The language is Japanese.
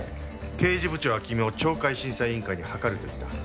刑事部長は昨日懲戒審査委員会に諮ると言った。